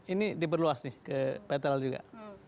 ini diperluas nih ke petrol juga